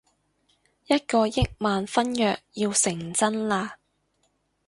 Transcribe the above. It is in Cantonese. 一個億萬婚約要成真喇